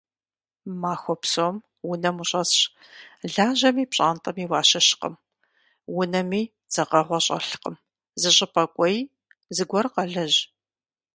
Махуэ псом унэм ущӀэсщ, лажьэми пщӀантӀэми уащыщкъым, унэми дзэкъэгъуэ щӀэлъкым, зыщӀыпӀэ кӀуэи, зыгуэр къэлэжь.